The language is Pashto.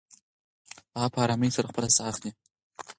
هغه په ارامۍ سره خپله ساه اخلې.